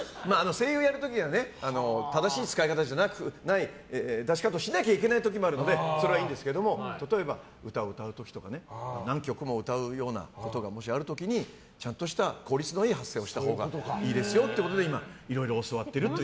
声優やる時は正しい使い方じゃない出し方をしなきゃいけない時もあるのでそれはいいんですけども例えば歌を歌う時とか何曲も歌うようなことがもしある時にちゃんとした効率のいい発声をしたほうがいいですよということで今、いろいろ教わってるという。